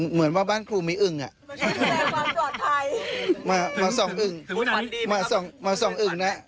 เหมือนว่าบ้านครูมีอึ้งอ่ะมาส่องอึ้งมาส่องมาส่องอึ้งน่ะ